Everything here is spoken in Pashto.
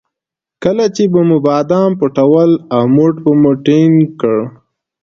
کله چې به مو بادام پټول او موټ به مو ټینګ کړ.